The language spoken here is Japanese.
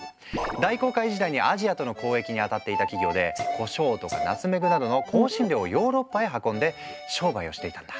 大航海時代にアジアとの交易にあたっていた企業でコショウとかナツメグなどの香辛料をヨーロッパへ運んで商売をしていたんだ。